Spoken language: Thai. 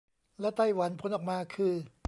และไต้หวันผลออกมาคือ